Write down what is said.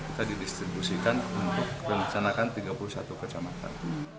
kita didistribusikan untuk rencanakan tiga puluh satu kecamatan